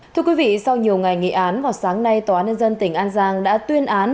thưa quý vị sau nhiều ngày nghị án vào sáng nay tòa án nhân dân tỉnh an giang đã tuyên án